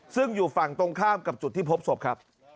ซึ่งอยู่ฝั่งตรงข้ามกับจุดที่พบศพครับ